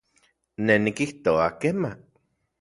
Ne nikijtoa kema